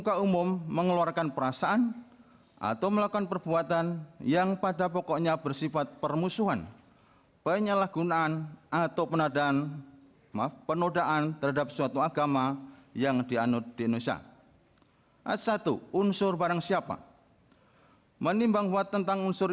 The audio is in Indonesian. kepulauan seribu kepulauan seribu